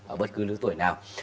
ở bất cứ lứa tuổi nào